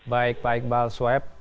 baik pak iqbal swaib